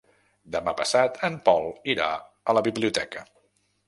Demà passat en Pol irà a la biblioteca.